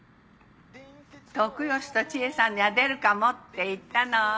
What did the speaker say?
徳義と知枝さんには出るかもって言ったの？